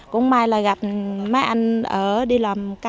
cũng may là gặp mấy anh ở đi làm